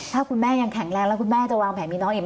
ถ้าคุณแม่ยังแข็งแรงแล้วคุณแม่จะวางแผนมีน้องอีกไหม